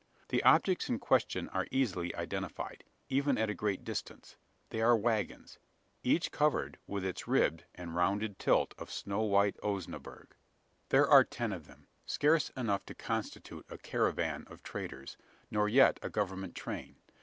The objects in question are easily identified even at a great distance. They are waggons; each covered with its ribbed and rounded tilt of snow white "Osnaburgh." There are ten of them scarce enough to constitute a "caravan" of traders, nor yet a "government train."